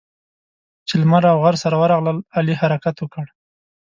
چې لمر او غر سره ورغلل؛ علي حرکت وکړ.